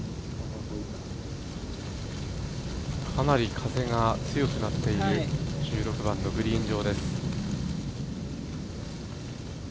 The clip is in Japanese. かなり風が強くなってきている１６番のグリーン上です。